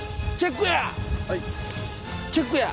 チェックや！